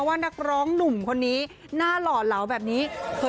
ว่านักร้องหนุ่มหน้าน่ะล่อล่าวแบบนี้